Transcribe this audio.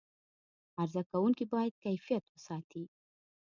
عرضه کوونکي باید کیفیت وساتي.